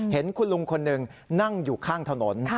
เห็นคุณลุงคนหนึ่งนั่งอยู่ข้างถนน